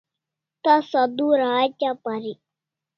Tasa dura hatya parik